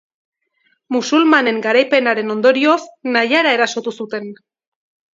Musulmanen garaipenaren ondorioz, Naiara erasotu zuten.